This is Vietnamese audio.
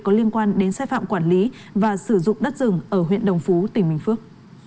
có liên quan đến sai phạm quản lý và sử dụng đất rừng ở huyện đồng phú tỉnh bình phước